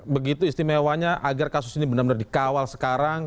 begitu istimewanya agar kasus ini benar benar dikawal sekarang